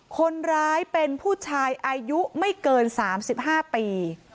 คนร้ายเป็นผู้ชายอายุไม่เกิน๓๕ปี